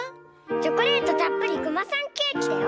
チョコレートたっぷりクマさんケーキだよ！